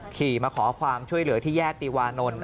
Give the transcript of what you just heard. ขี่มาขอความช่วยเหลือที่แยกติวานนท์